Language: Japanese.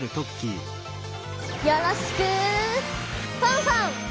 よろしくファンファン！